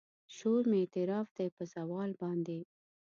شور مې اعتراف دی په زوال باندې